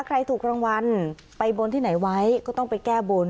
ใครถูกรางวัลไปบนที่ไหนไว้ก็ต้องไปแก้บน